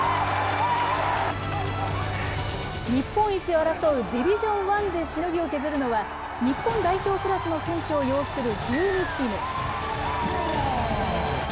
日本一を争うディビジョン１でしのぎを削るのは、日本代表クラスの選手を擁する１２チーム。